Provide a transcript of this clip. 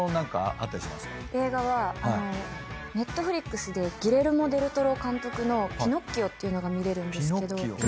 映画はＮｅｔｆｌｉｘでギレルモ・デル・トロ監督の『ピノッキオ』っていうのが見れるんですけど。